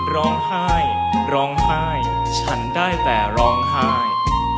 ร้องไห้ร้องไห้ฉันได้แต่ร้องไห้